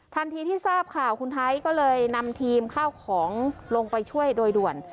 ที่ทราบข่าวคุณไทยก็เลยนำทีมข้าวของลงไปช่วยโดยด่วน